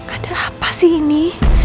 ada apa sih ini